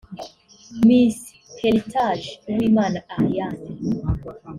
Miss Heritage Uwimana Ariane